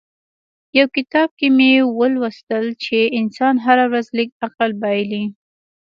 يو کتاب کې مې ولوستل چې انسان هره ورځ لږ عقل بايلي.